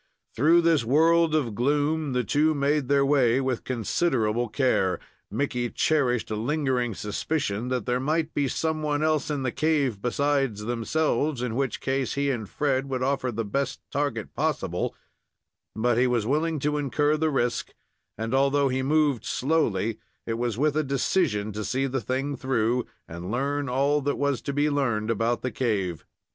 Through this world of gloom the two made their way with considerable care. Mickey cherished a lingering suspicion that there might be some one else in the cave besides themselves, in which case he and Fred would offer the best target possible; but he was willing to incur the risk, and, although he moved slowly, it was with a decision to see the thing through, and learn all that was to be learned about the cave.